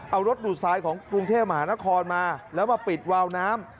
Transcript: เอารถดูดทรายของกรุงเทพมหานครมาแล้วมาปิดวาวน้ำ